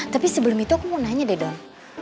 tapi sebelum itu aku mau nanya deh don